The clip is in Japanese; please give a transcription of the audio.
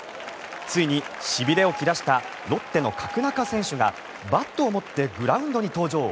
ついにしびれを切らしたロッテの角中選手がバットを持ってグラウンドに登場。